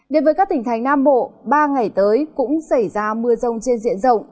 đến với các tỉnh thành nam bộ ba ngày tới cũng xảy ra mưa rông trên diện rộng